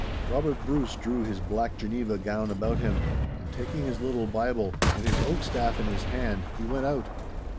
Robert Bruce drew his black Geneva gown about him, and taking his little Bible and his oak staff in his hand he went out.